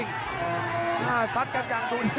ต้องบอกว่าคนที่จะโชคกับคุณพลน้อยสภาพร่างกายมาต้องเกินร้อยครับ